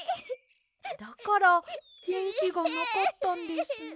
だからげんきがなかったんですね。